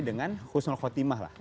dengan khusnul khotimah lah